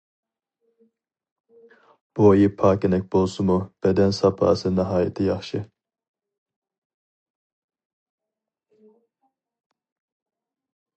بويى پاكىنەك بولسىمۇ، بەدەن ساپاسى ناھايىتى ياخشى.